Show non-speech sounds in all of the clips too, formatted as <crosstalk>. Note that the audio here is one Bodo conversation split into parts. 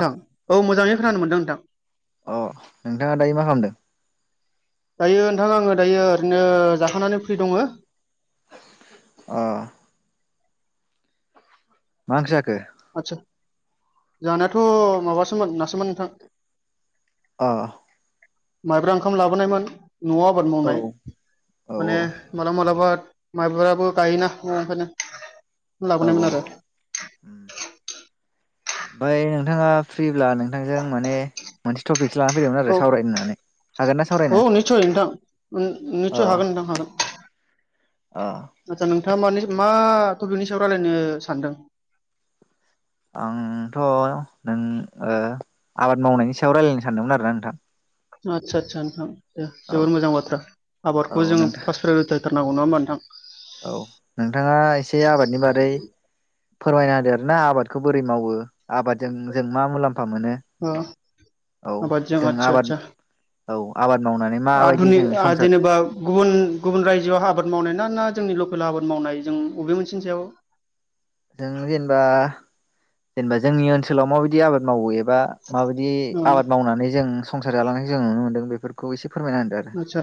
नोंथां औ मोजाङै खोनानो मोनदों नोंथां अ नोंथाङा दायो मा खालामदों? दायो नोंथां आङो दायो ओरैनो जाखानानै फ्रि दङ ओ मा ओंख्रि जाखो? आदसा जानायाथ' माबासोमोन नासोमोन नोंथां अ माइब्रा ओंखाम लाबोनायमोन न'आव आबाद औ मावनाय औ माने मालाबा मालाबा माइब्राबो गायोना ओंखायनो औ लाबोनायमोन आरो ओमफ्राय नोंथाङा फ्रिब्ला नोंथांजों माने मोनसे टपिक लानानै फैयदोंमोन औ आरो सावरायनो होननानै हागोन ना औ सावरायनो निसय नोंथां निसय हागोन नोंथां हागोन अ आदसा नोंथाङा मने मा टपिकनि सायाव रायलायनो सानदों? आंथ' नों ऐ आबाद मावनायनि सायाव रायलायनो सानदोंमोन आरोना नोंथां आदसा आदसा नोंथां दे औ जोबोर मोजां बाथ्रा औ आबादखौ जों नोंथां फास्थ होथारनांगौ नङा होनबा‌ नोंथां औ नोंथाङा एसे आबादनि बारै फोरमायना होदो आरोना आबादखौ बोरै मावो आबादजों जों मा मुलाम्फा मोनो ओ औ आबादजों जों आबाद औ आबाद मावनानै माबायदि आधुनि जोङो संसार जेनेबा गुबुन गुबुन रायजोआव आबाद मावनाय ना ना जोंनि लकेल खेल आबाद मावनाय जों बबे मोनसेनि सायाव‌ जों जेनेबा जेनेबा जोंनि ओनसोलाव माबायदि आबाद मावो ए एबा माबायदि ओ आबाद मावनानै जों संसार जालांनायखौ जों नुनो मोनदों बेफोरखौ एसे फोरमायना आतसा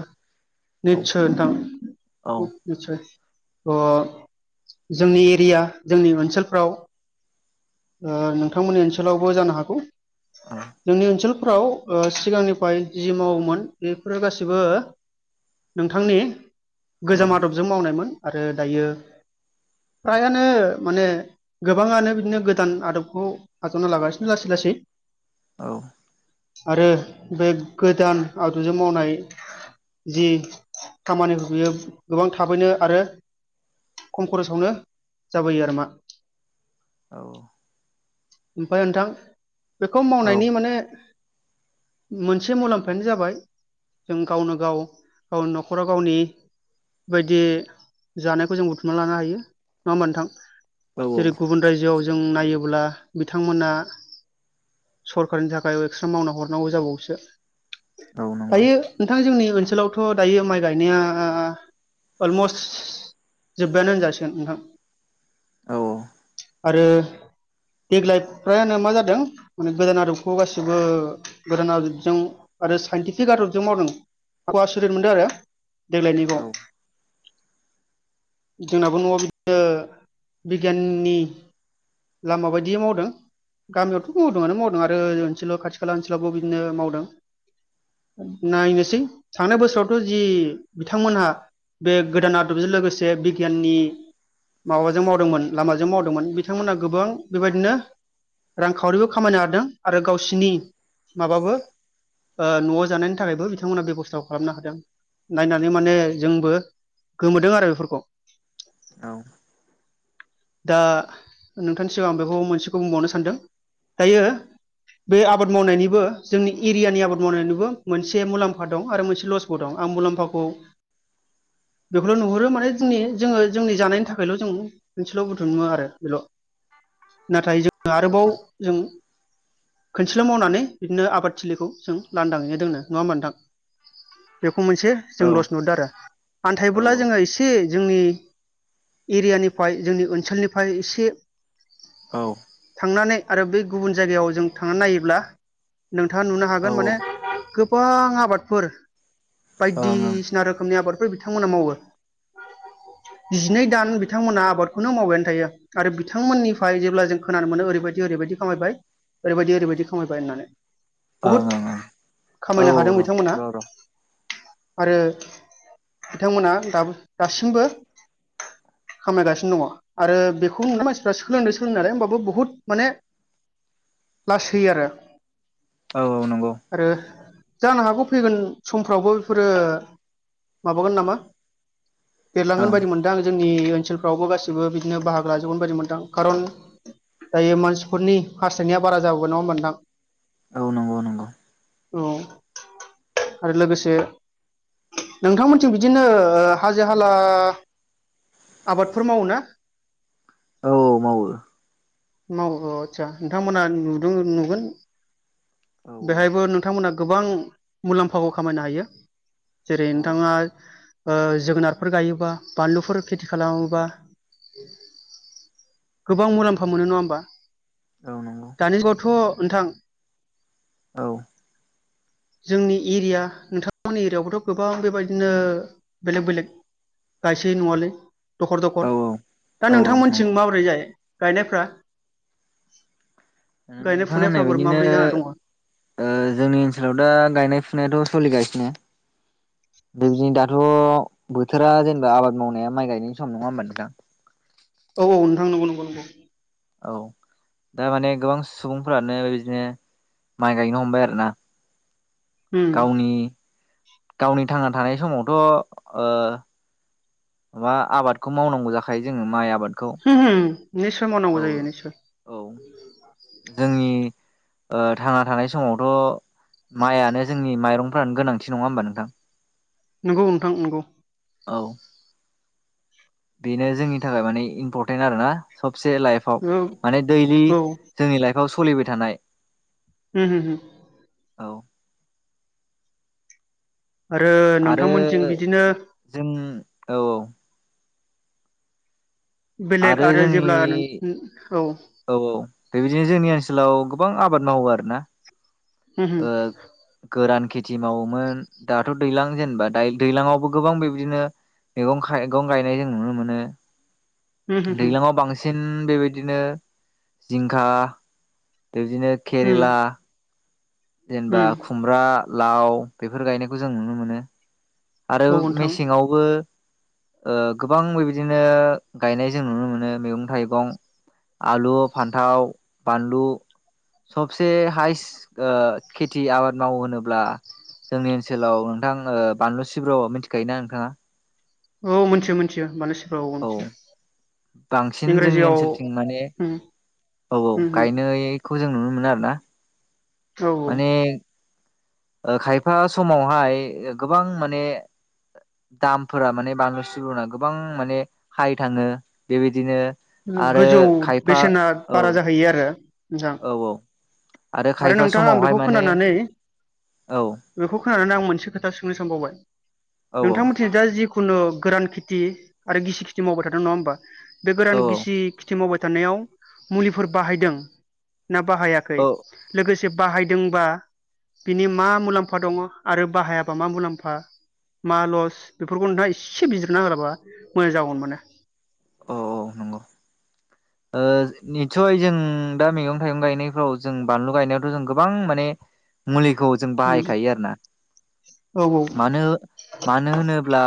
होदो निसय नोंथां निसय ओ जोंनि एरिया जोंनि ओनसोलफ्राव ओ नोंथांमोननि ओनसोलावबो जानो हागौ आरो जोंनि ओनसोल फोराव ओ सिगांनिफ्राय जि मावोमोन बेफोरो गासिबो नोंथांनि औ गोजाम आदबजों मावनायमोन। आरो दायो फ्रायानो माने गोबाङानो बिदिनो गोदान आदबखौ आजावना लागासिनो लासै लासै। औ। आरो बे गोदान आदबजों मावनाय जि खामानि बियो गोबां थाबैनो आरो खम खरसावनो जाबोयो आरो मा। औ। ओमफ्राय नोंथां बेखौ औ मावनायनि माने मोनसे मुलाम्फायानो जाबाय जों गावनो गाव गावनि न'खराव गावनि बायदि जानायखौ जों बुथुमना लानो हायो नङा होमबा नोंथां? औ जेरै गुबुन रायजोआव जों नायोब्ला बिथांमोना सरखारनि थाखाय एक्सट्रा मावना हरनांगौ जाबावसो औ नंगौ दायो नोंथां जोंनि ओनसोलावथ' दायो माइ गायनाया अलमस्ट जोब्बायानो होनजासिगोन नोंथां। औ। आरो देग्लाय फ्रायानो मा जादों माने गोदान आदबखौ गासिबो गोदान आदबजों आरो साइन्टिफिक आदरजों मावदों गवा सुरेन मोनदों आरो देग्लायनिखौ औ जोंनाबो न'आव बिदिनो बिगियाननि लामा बायदि मावदों। गामियावथ' मावदोंआनो मावदों आरो ओनसोलाव खाथि खाला ओनसोलावबो बिदिनो मावदों। नायनोसै थांनाय बोसोरावथ' जि बिथांमोनहा बे गोदान आदबजों लोगोसे बिगियाननि माबाजों मावदोंमोन लामाजों मावदोंमोन। बिथांमोना गोबां बेबायदिनो रांखावरिबो खामायनो हादों आरो गावसिनि माबाबो ओ न'आव जानायनि थाखायबो बिथांमोना बेब'स्थाखौ खालामनो हादों नायनानै माने जोंबो गोमोदों आरो बेफोरखौ। औ। दा नोंथांनि सिगां आं बेखौ मोनसेखौ बुंबावनो सानदों दायो बे आबाद मावनायनिबो जोंनि एरियानि आबाद मावनायनिबो मोनसे मुलाम्फा दं आरो मोनसे लसबो दं। आं मुलाम्फाखौ बेखौल' नुहुरो माने जोंनि जोङो जोंनि जानायनि थाखायल' जों मोनसेल' बुथुमा आरो बेल' नाथाय जों आरोबाव औ जों खोनसेल' मावनानै बिदिनो आबादथिलिखौ जों लान्दाङैनो दोंनो नङा होमबा नोंथां। बेफ खौ मोनसे जों औ लस नुदों आरो औ आन्थायबोला जोङो एसे जोंनि एरियानि फाय जोंनि ओनसोलनिफ्राय एसे औ। थांनानै आरो बे गुबुन जायगायाव जों थांनानै नायोब्ला नोंथाङा नुनो हागोन ओं माने गो गोबां आबादफोर ओं बायदिसिना रोखोमनि आबाद बिथांमोना मावो जिनै दान बिथांमोना आबादखौनो मावबायानो थायो आरो बिथांमोननिफ्राय जेब्ला जों खोनानो मोनो ओरैबायदि ओरैबायदि खामायबाय। ओरैबायदि ओरैबायदि खामायबाय होननानै बहुद ओं ओं औ खामायनो हादों बिथांमोना। र' र' आरो बिथांमोना दाबो दासिमबो खामायगासिनो दङ आरो बेखौ नुना मानसिफ्रा सोलोंदों सोलोंनायालाय होमबाबो बुहुत माने लासै आरो औ औ नंगौ आरो जानो हागौ फैगोन समफ्रावबो बेफोरो माबागोन नामा देरलांगोन ओं बायदि मोनदों आं जों जोंनि ओनसोलफ्रावबो गासिबो बिदिनो बाहागो लाजोबगोन बायदि मोनदां खारन दायो मानसिफोरनि हासथायनाया बारा जाबोबाय नङा होनबा नोंथां औ नं औ आरो लोगोसे नोंथांमोनथिं बिदिनो ओ हाजो हाला आबादफोर मावो ना औ मावो माव औ आतसा नोंथांमोना नुदों नुगोन औ औ बेहायबो नोंथांमोना गोबां मुलाम्फाखौ खामायनो हायो जेरै औ नोंथाङा जोगोनारफोर गायोबा बानलुफोर खेथि खालामोबा गोबां मुलाम्फा मोनो नङा होनबा औ नंगौ दानि जुगावथ' नोंथां <unintelligible> जोंनि एरिया नोंथांमोननि एरियावबोथ' गोबां बेबायदिनो बेलेक बेलेक गायसै नङालै दखर दखर औ दा औ नंगौ नोंथांमोनथिं माबोरै जायो गायनायफ्रा गायनाय नोंथां होननाय फुनायफ्रा बोर माबोरै बायदिनो जाना दङ ओ जोंनि ओनसोलाव दा गायनाय फुनायाथ' सोलिगासिनो बेबायदिनो दाथ' बोथोरा जेनेबा आबाद मावनाया माइ गायनाय सम नङा होमबा नोंथां औ औ नोंथां नंगौ नंगौ नंगौ औ दा माने गोबां सुबुंफ्रानो बिबदिनो माइ गायनो हमबाय आरोना उम गावनि गावनि थांना थानाय समावथ' अ ओ माबा आबादखौ मावनांगौ जाखायो जोङो माइ आबादखौ होम होम निस्सय मावनांगौ औ जायो निस्सय औ जोंनि ओ थांना थानाय समावथ' माइआनो जोंनि माइरं फ्रानो गोनांथि नङा होनबा नोंथां नंगौ नोंथां नंगौ। औ बेनो जोंनि थाखाय माने इम्परटेन्ट आरोना सब साबसे लाइफआव औ माने दैलि औ होम जोंनि लाइफआव सलिबाय थानाय होम होम औ आरो आरो नोंथांमोनथिं बिदिनो जों औ औ बेलेग आरो जेब्ला औ औ औ बेबायदिनो जोंनि ओनसोलाव गोबां आबाद मावो आरोना होम ओ गोरान खेथि मावोमोन दाथ' दैलां जेनेबा दैलांआवबो गोबां बेबदिनो मैगं खायगं गायनाय जों नुनो मोनो होम होम दैलाङाव बांसिन बेबायदिनो जिंखा बिदिनो होम केरेला जेनेबा होम खुमब्रा लाव बेफोर गायनायखौ जों नुनो मोनो आरो औ नोंथां मेसेंआवबो ओ गोबां बेबायदिनो गायनाय जों नुनो मोनो मैगं थाइगं आलु फान्थाव बानलु सबसे हायस्ट खेथि आबाद मावो होनोब्ला जोंनि ओनसोलाव नोंथां ओ बानलु सिब्र' मिथिखायोना नोंथाङा औ मोनथियो मोनथियो मानसिफ्राव औ बांसिन जोंनि इंराजियाव ओनसोलथिं माने उम औ औ उम उम गायनाय खौ जों नुनो मोनो आरो ना। औ माने ओ खायफा समावहाय गोबां माने दाम फोरा माने बानलु सिब्रना गोबां माने हाइ थाङो बेबायदिनो आरो गोजौ खायफा बेसेना औ बारा जाहैयो आरो। मोजां औ औ आरो खायफा नोंथाङा आं समावहाय बेखौ माने खोनानानै औ बेखौ खोनानानै आं मोनसे खोथा सोंनो सानबावबाय औ नोंथांमोनथिनि दा जि‌ खुनु गोरान खेथि आरो गिसि खेथि मावबाय थादों नङा होमबा बे गोरान औ गि खेथि मावबाय थानायाव मुलिफोर बाहायदों ना बाहायाखै औ लोगोसे बाहायदोंबा बिनि मा मुलाम्फा दङ' आरो बाहायाबा मा मुलाम्फा मा लस बेफोरखौ नोंथहा एसे बिजिरना होबा मोजां जागौमोन माने। औ औ नंगौ ओ निसय जों दा मैगं थाइगं गायनायफ्राव जों बानलु गायनायावथ' जों गोबां माने मुलिखौ जों उम बाहायखायो आरो ना। औ औ मानो मानो होनोब्ला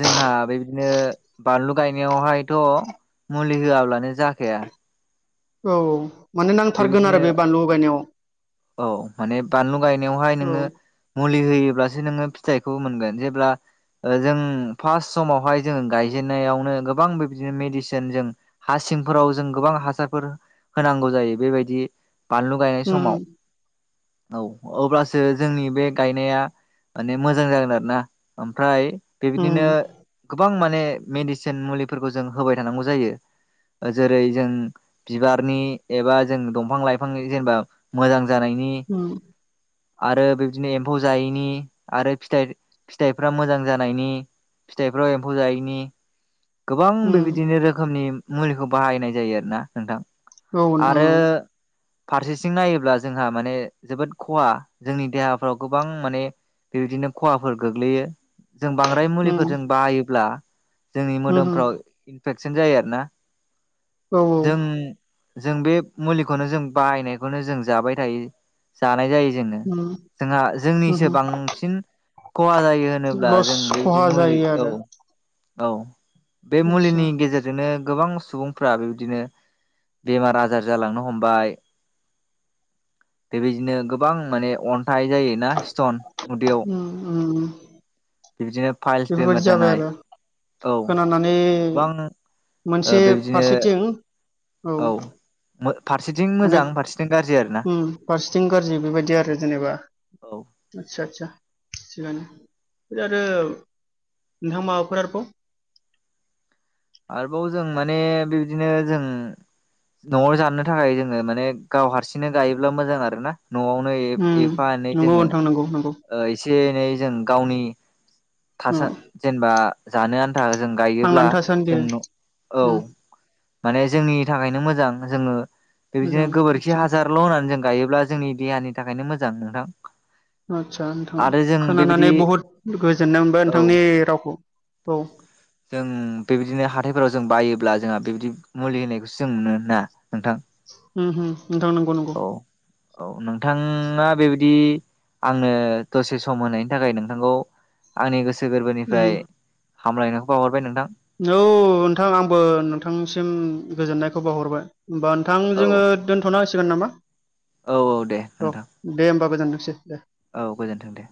जोंहा बेबायदिनो बानलु‌ गायनायावहायथ' मुलि होआब्लानो जाखाया। औ माने नांथारगोन आरो बेबायदिनो बे बानलु गायनायाव औ माने बानलु गायनायावहाय औ नोङो मु लि होयोब्लासो नोङो फिथाइखौ मोनगोन जेब्ला जों फास समावहाय जोंङो गायजेनन्नायावनो गोबां बेबदिनो मेडिसिन जों हासि थिंफोराव जों गोबां हासारफोर होनांगौ जायो बेबायदि बानलु गायनाय उम समाव। औ अब्लासो जोंनि बे गायनाया माने मोजां जागोन आरो ना ओमफ्राय बेबायदिनो उम गोबां मान ने मेडिसिन मुलिफोरखौ जों होबाय थानांगौ जायो। जेरै जों बिबारनि एबा जों दंफां लाइफांनि जेनेबा मोजां जानायनि उम आरो बेबदिनो एम्फौ जायैनि आरो फिथाय-फिथाइफ्रा मोजां जानायनि फिथाइफ्राव एम्फौ जायैनि गोबां उम बेबायदिनो रोखोमनि मुलिखौ बाहायनाय जायो आरो ना नोंथां। औ नोंथां आरो औ फारसेथिं नायोब्ला जोंहा माने जोबोद खहा जोंनि देहाफ्राव गोबां माने बेबायदिनो खहाफोर गोग्लैयो जों बांद्राय उम मुलिफोरजों बायोब्ला जोंनि उम मोदोमफ्राव इनफेकसन जायो आरोना औ जों जों बे मुलिखौनो जों बाहायनायखौनो जों जाबाय थायो जानाय जायो जोङो उम जोंहा जोंनिसो उम बांसिन खहा जायो होनोब्ला लस जों बेबायदि खहा मुलि जायो आरो औ औ बे आदसा मुलिनि गेजेरजोंनो गोबां सुबुंफ्रा बेबायदिनो बेमार आजार जालांनो हमबाय बेबायदिनो गोबां माने अन थाय जायोना स्ट'न उदैयाव उम उम बिबदिनो फाइल्स बेमार बेफोरबायदि जाबाय जानाय आरो औ खोनानानै गोबां मोनसे ओ बेबायदिनो फारसेथिं औ फारसेथिं मोजां अनेक फारसेथिं गाज्रि आरोना उम फारसिथिं गाज्रि बेबायदि आरो जेनेबा औ आतसा आतसा थिगानो आरो नोंथां माबाफोर आरोबाव? <unintelligible> आरोबाव जों माने बिबदिनो जों न'आव जानो थाखाय जोङो माने गाव हारसिंनो गायोब्ला मोजां आरो ना। नआवनो एफ उम एफा एनै नंगौ जोङो नोंथां नंगौ नंगौ ओ एसे एसे एनै जों गावनि थासा उम जेनबा जानो आन था जों थांनानै गायोब्ला थासान्दि जों न औ उम माने जोंनि थाखायनो मोजां। जोङो बेबायदिनो मोजां गोबोरखि आदसा हाजारल होननानै जों। गायोब्ला जोंनि देहानि थाखायनो मोजां नोंथां। आदसा नोंथां आरो जों बेबायदि खोनानानै बहुद गोजोननाय मोनबाय औ नोंथांनि रावखौ। औ। जों बेबायदिनो हाथायफोराव जों बायोब्ला जोंहा बेबायदि मुलि होनायखौसो जों मोनो ना? नोंथां उम उम नोंथां नंगौ नंगौ औ औ नोंथाङा बेबायदि। आंनो दसे सम होनायनि थाखाय नोंथांखौ आंनि गोसो उम गोरबोनिफ्राय। हामलायनायखौ बावाहरबाय नोंथां। औ नोंथां आंबो नोंथांनिसिम गोजोननायखौ बावाहरबाय। होमबा नोंथां औ जोङो दोनथना नांसिगोन नामा औ दे औ नोंथां दे होमबा गोजोनथों। औ गोजोन्थों दे।